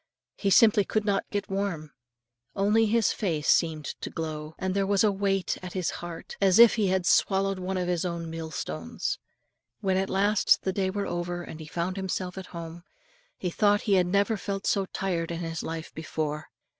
He simply could not get warm, only his face seemed to glow; and there was a weight at his heart, as if he had swallowed one of his own millstones. When at last the day wore over, and he found himself at home, he thought he had never felt so tired in his life before.